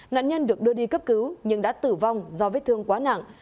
nạn nhân được đưa đi cấp cứu nhưng đã tử vong do vết thương quá nặng